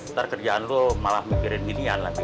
ntar kerjaan lo malah mikirin binian lagi